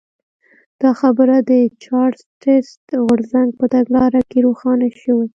دا خبره د چارټېست غورځنګ په تګلاره کې روښانه شوې.